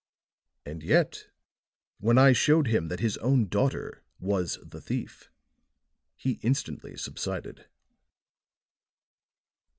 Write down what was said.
And yet, when I showed him that his own daughter was the thief, he instantly subsided."